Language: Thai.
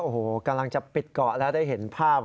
โอ้โหกำลังจะปิดเกาะแล้วได้เห็นภาพ